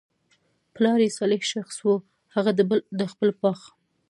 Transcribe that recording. پلار ئي صالح شخص وو، هغه به د خپل باغ